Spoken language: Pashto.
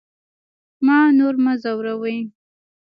ما نور مه ځوروئ